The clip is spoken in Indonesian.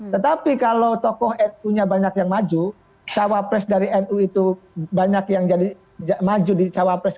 tetapi kalau tokoh nu nya banyak yang maju cawapres dari nu itu banyak yang jadi maju di cawapres